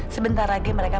sebentar lagi mereka